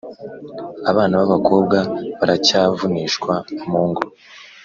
. Abana b’abakobwa baracyavunishwa mungo